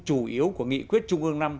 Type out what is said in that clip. chủ yếu của nghị quyết trung ương năm